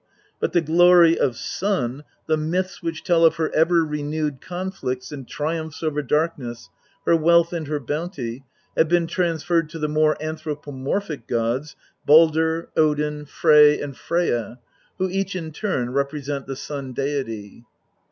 But the glory of Sun, the myths which tell of her ever renewed conflicts and triumphs over darkness, her wealth and her bounty have been trans ferred to the more anthropomorphic gods Baldr, Odin, Frey, and Freyja, who each in turn represent the sun deity.